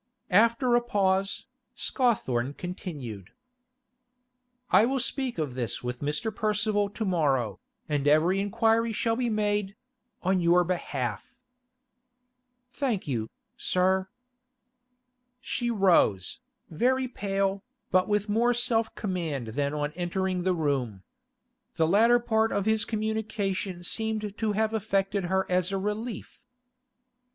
After a pause, Scawthorne continued: 'I will speak of this with Mr. Percival to morrow, and every inquiry shall be made—on your behalf.' 'Thank you, sir.' She rose, very pale, but with more self command than on entering the room. The latter part of his communication seemed to have affected her as a relief.